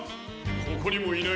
ここにもいない！